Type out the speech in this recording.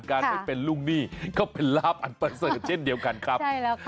การไม่เป็นลุงหนี้ก็เป็นลาบอันประเสริฐเช่นเดียวกันครับ